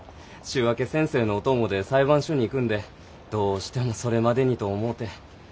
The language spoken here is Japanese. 週明け先生のお供で裁判所に行くんでどうしてもそれまでにと思うて。